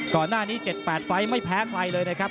ก่อนหน้านี้๗๘ไฟล์ไม่แพ้ใครเลยนะครับ